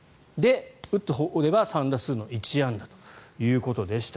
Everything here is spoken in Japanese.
打つほうでは３打数の１安打ということでした。